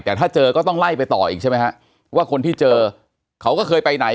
แต่ถ้าเจอก็ต้องไล่ไปต่ออีกใช่ไหมฮะว่าคนที่เจอเขาก็เคยไปไหน